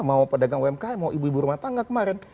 mau pedagang umkm mau ibu ibu rumah tangga kemarin